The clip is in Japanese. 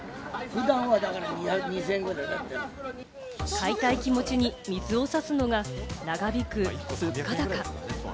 買いたい気持ちに水を差すのが、長引く物価高。